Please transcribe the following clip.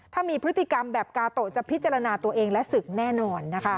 ถ้ามีพฤติกรรมแบบกาโตะจะพิจารณาตัวเองและศึกแน่นอนนะคะ